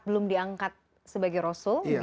belum diangkat sebagai rasul